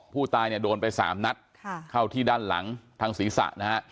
ผู้ตายเนี่ยโดนไป๓นัดเข้าที่ด้านหลังทางศีรษะนะฮะ